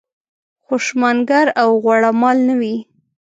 خوشامنګر او غوړه مال نه وي.